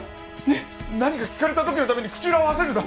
何か聞かれたときのために口裏を合わせるんだ